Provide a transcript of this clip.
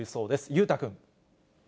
裕太君。